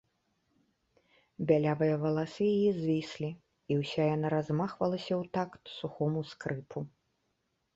Бялявыя валасы яе звіслі, і ўся яна размахвалася ў такт сухому скрыпу.